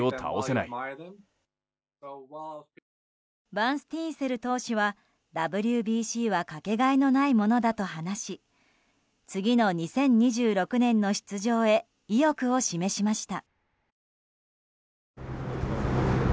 バンスティーンセル投手はＷＢＣはかけがえのないものだと話し次の２０２６年の出場へ意欲を示しました。